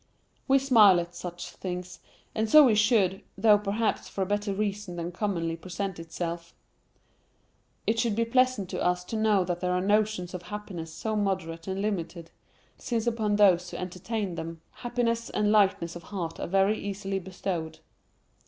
We smile at such things, and so we should, though perhaps for a better reason than commonly presents itself. It should be pleasant to us to know that there are notions of happiness so moderate and limited, since upon those who entertain them, happiness and lightness of heart are very easily bestowed.